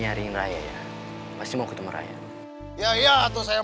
eh berapa berapa kehen sih itu ya